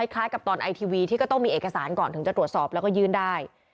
กับตอนไอทีวีที่ก็ต้องมีเอกสารก่อนถึงจะตรวจสอบแล้วก็ยื่นได้